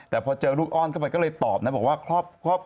แต่พอเจอลูกอ้อนเข้าไปก็เลยตอบนะบอกว่าครอบครัวอันหนึ่ง